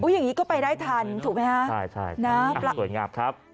อุ๊ยอย่างนี้ก็ไปได้ทันถูกไหมฮะใช่นับละสวยงาบครับ